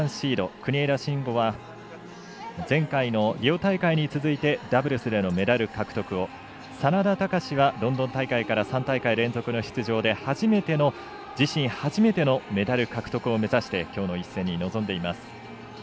国枝慎吾は前回のリオ大会に続いてダブルスでのメダル獲得を眞田卓はロンドン大会から３大会連続の出場で自身初めてのメダル獲得を目指してきょうの一戦に臨んでいます。